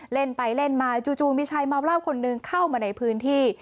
เล่นไปเล่นมาจู่มีชายเมาเหล้าคนนึงเข้ามาในพื้นที่